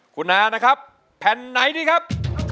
คุณอานะครับแผ่นไหนดีครับ